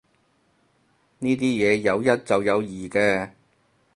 呢啲嘢有一就有二嘅